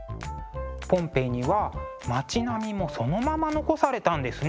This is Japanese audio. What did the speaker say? ポンペイには町並みもそのまま残されたんですね。